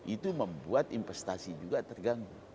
itu membuat investasi juga terganggu